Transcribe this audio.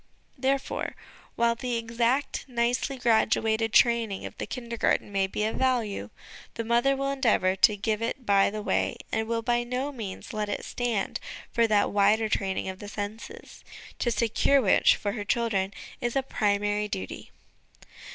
There fore, while the exact nicely graduated training of the Kindergarten may be of value, the mother will endeavour to give it by the way, and will by no means I SO HOME EDUCATION let it stand for that wider training of the senses, to secure which for her children is a primary duty.